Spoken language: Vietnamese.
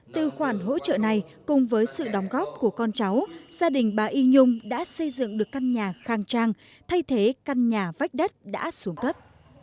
từ khoản hỗ trợ này cùng với sự đóng góp của con cháu gia đình bà y nhung đã xây dựng được căn nhà khang trang thay thế căn nhà vách đất đã xuống cấp